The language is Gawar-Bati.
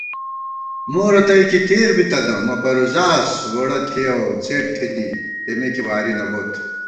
مو رتئ کی تېر بِتَنہ مہ پروزاس ووڑہ تھِیَؤ څېڈ تھنی تېمے کی واری نہ بوت